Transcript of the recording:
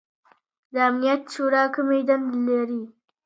د امنیت شورا کومې دندې لري؟